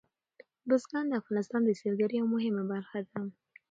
بزګان د افغانستان د سیلګرۍ یوه مهمه برخه ده.